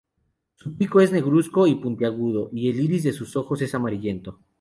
Su pico es negruzco y puntiagudo, y el iris de sus ojos es amarillento.